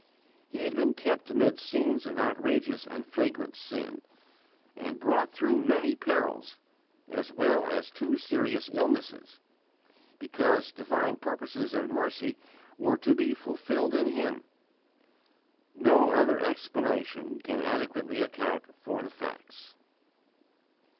He had been kept amid scenes of outrageous and flagrant sin, and brought through many perils, as well as two serious illnesses, because divine purposes of mercy were to be fulfilled in him. No other explanation can adequately account for the facts.